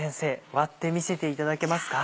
割って見せていただけますか？